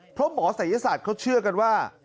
เพราะหมอศัยศาสตร์เขาเชื่อกันว่า